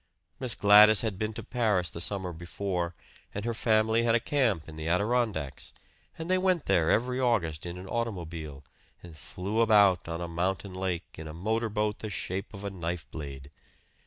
Miss Gladys had been to Paris the summer before; and her family had a camp in the Adirondacks, and they went there every August in an automobile and flew about on a mountain lake in a motor boat the shape of a knife blade.